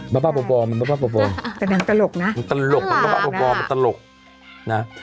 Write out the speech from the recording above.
บ้าบ้าบบอมแต่นั้นตลกนะตลกเป็นตลกน่ะ